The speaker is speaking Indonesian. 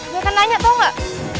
gak akan nanya tau gak